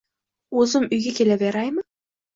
O`zim uyga kelaveraymi